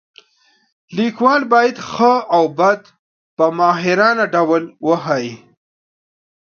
لیکوال باید ښه او بد په ماهرانه ډول وښایي.